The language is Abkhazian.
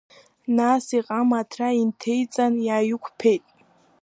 Нас иҟама аҭра инҭеиҵан, иааиқәԥеит.